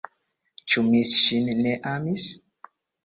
Ĉu mi ŝin ne amis?